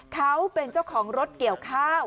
เขาเป็นเจ้าของรถเกี่ยวข้าว